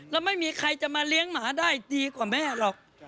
แล้วไม่มีใครจะมาเลี้ยงหมาได้ดีกว่าแม่หรอก